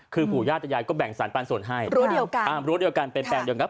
คือผู้ญาติยายก็แบ่งสารปานส่วนให้รู้เดียวกันเป็นแปลงเดียวกัน